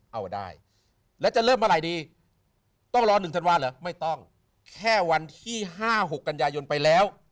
เอาได้แล้วจะเริ่มเมื่อไหร่ดีต้องรอ๑ธันวาลเหรอไม่ต้องแค่วันที่๕๖กันยายนไปแล้ว